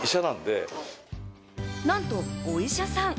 なんとお医者さん。